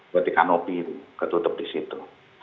berarti kanopi itu ketutup disitu